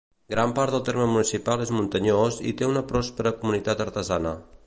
Gran part del terme municipal és muntanyós i té una pròspera comunitat artesana.